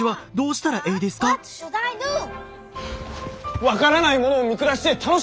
分からない者を見下して楽しいのか！？